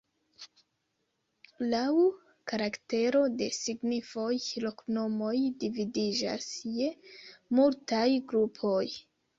Laŭ karaktero de signifoj, loknomoj dividiĝas je multaj grupoj.